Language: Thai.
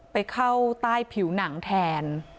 ไปเข้าใต้ผิวหนังแทน